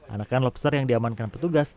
anakan lobster yang diamankan petugas